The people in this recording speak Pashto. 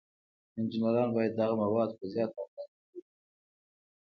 انجینران باید دغه مواد په زیاته اندازه تولید کړي.